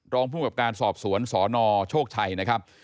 รองภูมิกับการสอบสวนสนโชคชัยนะครับ